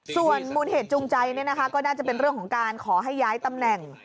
ส่วนมูลเหตุจูงใจก็น่าจะเป็นเรื่องของการขอให้ย้ายตำแหน่ง